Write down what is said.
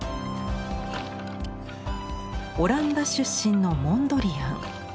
オランダ出身のモンドリアン。